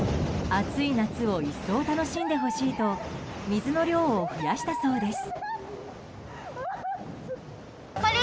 暑い夏を一層楽しんでほしいと水の量を増やしたそうです。